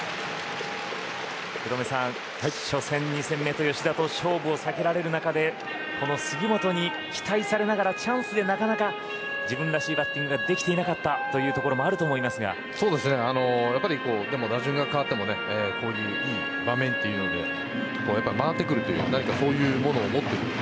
福留さん、初戦、２戦目と吉田と勝負を避けられる中でこの杉本に期待されながらチャンスでなかなか自分らしいバッティングができていなかったというところもあるとやっぱり打順が変わってもこういう場面というので回ってくるという何かそういうものを持っている。